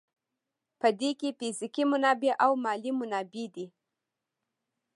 په دې کې فزیکي منابع او مالي منابع دي.